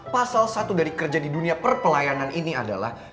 pasal satu dari kerja di dunia perpelayanan ini adalah